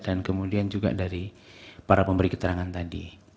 dan kemudian juga dari para pemberi keterangan tadi